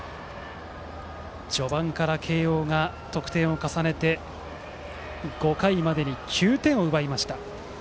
序盤から慶応が得点を重ねて５回までに９点を奪いました。